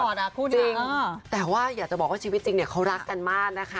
คู่จริงแต่ว่าอยากจะบอกว่าชีวิตจริงเนี่ยเขารักกันมากนะคะ